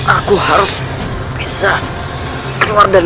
aku harus bisa keluar dari